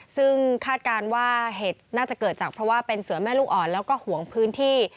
ซึ่งคาดการณ์ว่าเหตุน่าจะเกิดจากเพราะว่าเป็นเสือแม่ลูกอ่อนแล้วก็ห่วงพื้นที่